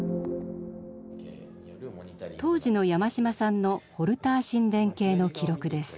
当時の山島さんのホルター心電計の記録です。